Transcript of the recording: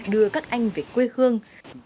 đưa các anh về quê hương